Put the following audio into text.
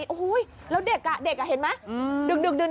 โอ้โฮแล้วเด็กเห็นไหม